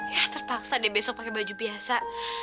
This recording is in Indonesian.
ya terpaksa deh besok pakai baju biasa